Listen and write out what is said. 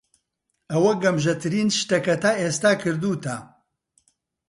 ئەوە گەمژەترین شتە کە تا ئێستا کردووتە.